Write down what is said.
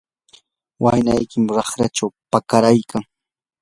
waynaykim raqrachaw pakaraykan.